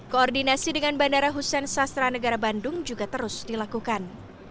koordinasi dengan bandara hussein sastra negara bandung juga terus dilakukan